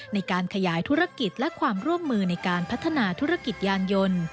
ในการขยายธุรกิจและความร่วมมือในการพัฒนาธุรกิจยานยนต์